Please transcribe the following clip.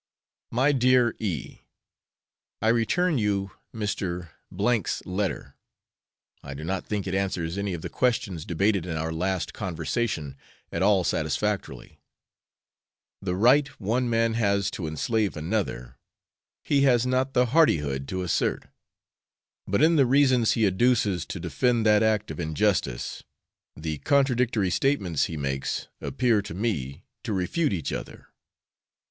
My Dear E . I return you Mr. 's letter. I do not think it answers any of the questions debated in our last conversation at all satisfactorily: the right one man has to enslave another, he has not the hardihood to assert; but in the reasons he adduces to defend that act of injustice, the contradictory statements he makes appear to me to refute each other.